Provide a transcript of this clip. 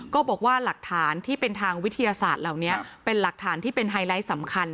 ก็บอกว่าหลักฐานที่เป็นทางวิทยาศาสตร์เหล่านี้เป็นหลักฐานที่เป็นไฮไลท์สำคัญ